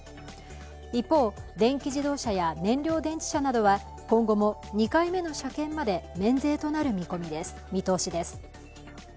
一方、電気自動車や燃料電池車などは今後も２回目の車検まで免税となる見通しです。